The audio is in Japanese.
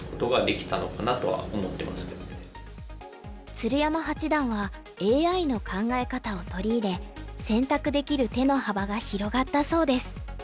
鶴山八段はＡＩの考え方を取り入れ選択できる手の幅が広がったそうです。